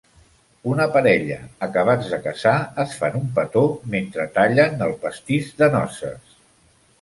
Una parella acabats de casar es fan un petó mentre tallen el pastís de noces